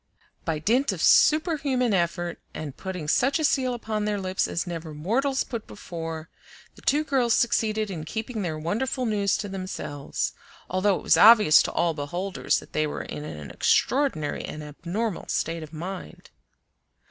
By dint of superhuman effort, and putting such a seal upon their lips as never mortals put before, the two girls succeeded in keeping their wonderful news to themselves; although it was obvious to all beholders that they were in an extraordinary and abnormal state of mind.